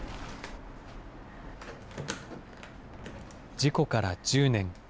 事故から１０年。